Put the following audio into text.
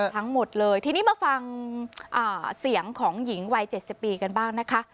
ทั้งหมดเลยทีนี้มาฟังเสียงของหญิงวัย๗๐ปีกันบ้างนะคะ